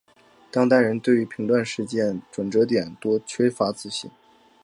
当代人对于评断事件转捩点多缺乏自信。